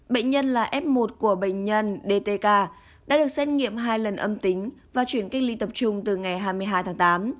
bệnh nhân là f một của bệnh nhân dtk đã được xét nghiệm hai lần âm tính và chuyển cách ly tập trung từ ngày hai mươi hai tháng tám